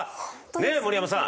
ねえ森山さん。